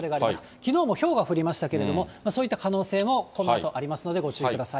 きのうもひょうが降りましたけれども、そういった可能性もこのあとありますので、ご注意ください。